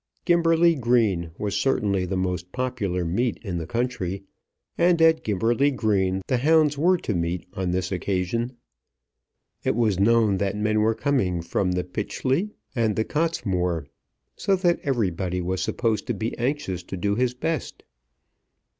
Gimberley Green was certainly the most popular meet in the country, and at Gimberley Green the hounds were to meet on this occasion. It was known that men were coming from the Pytchley and the Cottesmore, so that everybody was supposed to be anxious to do his best.